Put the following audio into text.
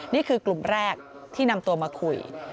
นี่คือกลุ่มแรกที่นำตัวมาคุย